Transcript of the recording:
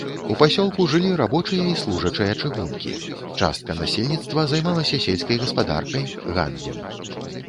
У пасёлку жылі рабочыя і служачыя чыгункі, частка насельніцтва займалася сельскай гаспадаркай, гандлем.